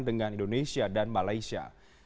dengan indonesia dan malaysia